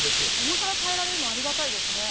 重さが変えられるのありがたいですね